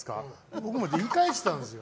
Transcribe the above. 僕も言い返してたんです。